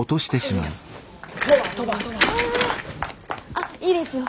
あっいいですよ